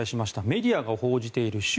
メディアが報じている習